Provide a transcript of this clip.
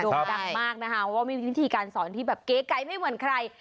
่งดังมากนะคะว่ามีวิธีการสอนที่แบบเก๋ไก่ไม่เหมือนใคร